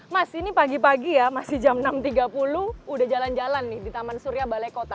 mas ini pagi pagi ya masih jam enam tiga puluh udah jalan jalan nih di taman surya balai kota